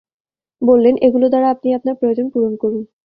বললেন, এগুলো দ্বারা আপনি আপনার প্রয়োজন পূরণ করুন।